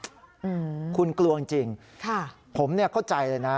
อืมคุณกลัวจริงค่ะผมเข้าใจเลยนะ